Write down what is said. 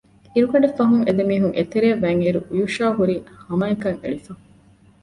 އިރުގަނޑެއް ފަހުން އެދެމީހުން އެތެރެއަށް ވަތްއިރު ޔޫޝައު ހުރީ ހަމައަކަށް އެޅިފަ